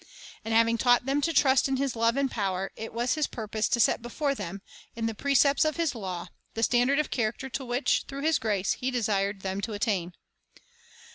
And having taught them to trust in His love and power, it was His purpose to set before them, in the precepts of His law, the standard of character to which, through His grace, He desired them to attain.